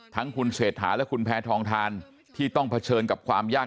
ทั้งคุณเศรษฐาและคุณแพทองทานที่ต้องเผชิญกับความยาก